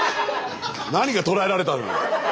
何が捕らえられたのよ。